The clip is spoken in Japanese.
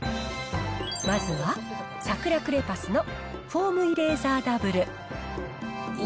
まずは、サクラクレパスのフォームイレーザーダブル。